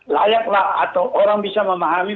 layaklah atau orang bisa memahami